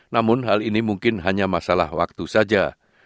namun hal ini mungkin hanya masalah waktu saja